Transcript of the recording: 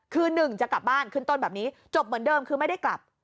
คือหนึ่งจะกลับบ้านขึ้นต้นแบบนี้จบเหมือนเดิมคือไม่ได้กลับ